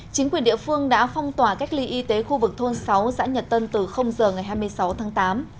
chính quyền địa phương đã phong tỏa cách ly y tế khu vực thôn sáu xã nhật tân từ giờ ngày hai mươi sáu tháng tám